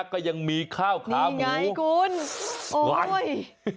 ก็ยังมีข้าวขาวหมูนี่ไงกุณโอ๊ย